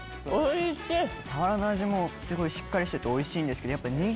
サワラの味もしっかりしておいしいんですけど。